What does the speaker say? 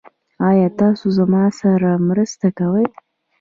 ایا تاسو زما سره مرسته کوئ؟